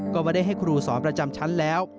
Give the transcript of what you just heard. ก็ไม่ได้ให้ครูสอนประจำชั้นแล้ว